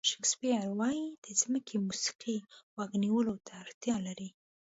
شکسپیر وایي د ځمکې موسیقي غوږ نیولو ته اړتیا لري.